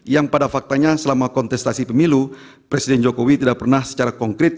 yang pada faktanya selama kontestasi pemilu presiden jokowi tidak pernah secara konkret